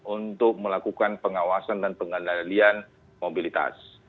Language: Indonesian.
untuk melakukan pengawasan dan pengendalian mobilitas